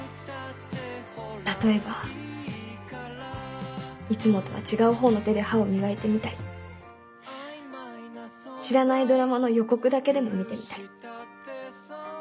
例えばいつもとは違う方の手で歯を磨いてみたり知らないドラマの予告だけでも見てみたり。